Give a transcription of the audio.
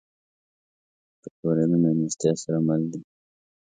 پکورې له میلمستیا سره مل دي